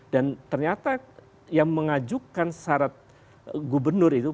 dan ternyata yang mengajukan syarat gubernur itu